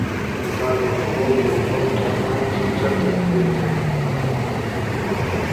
دا دي دوو جملو تر منځ څه توپیر دی؟